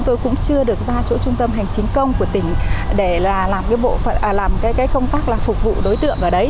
tôi cũng chưa được ra chỗ trung tâm hành chính công của tỉnh để làm cái công tác là phục vụ đối tượng ở đấy